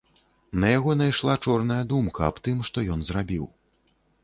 На яго найшла чорная думка аб тым, што ён зрабіў.